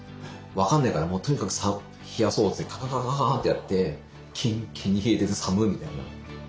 分かんないからもうとにかく冷やそうってカカカカカってやってキンキンに冷えてて「さむ」みたいな。